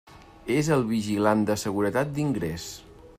És el vigilant de seguretat d'ingrés.